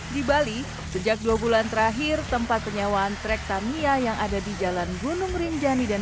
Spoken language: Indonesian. di bali sejak dua bulan terakhir tempat penyewaan trek tamia yang ada di jalan gunung rinjani dan